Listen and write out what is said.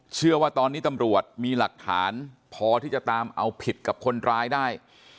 เชื่อว่าตอนนี้ตำรวจมีหลักฐานพอที่จะตามเอาผิดกับคนร้ายได้